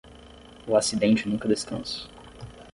O acidente nunca descansa.